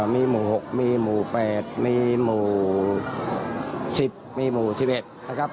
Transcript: มีหมู่๖มีหมู่๘มีหมู่๑๐มีหมู่๑๑นะครับ